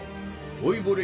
老いぼれ